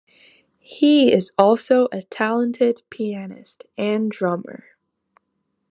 He is also a talented pianist and drummer.